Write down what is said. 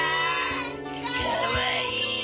かわいい！